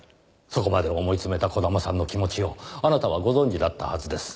そこまで思い詰めた児玉さんの気持ちをあなたはご存じだったはずです。